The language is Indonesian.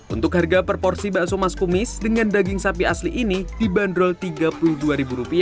untuk harga per porsi bakso mas kumis dengan daging sapi asli ini dibanderol rp tiga puluh dua